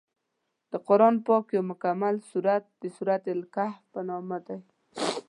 د قران پاک یو مکمل سورت د سورت الکهف په نامه دی.